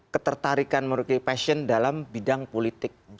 ketertarikan merugi passion dalam bidang politik